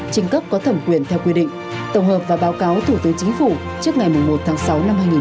trình cấp có thẩm quyền theo quy định tổng hợp và báo cáo thủ tướng chính phủ